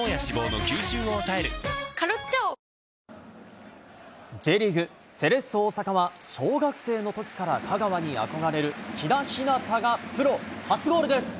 カロカロカロカロカロリミットＪリーグ、セレッソ大阪は、小学生のときから香川に憧れる、喜田陽がプロ初ゴールです。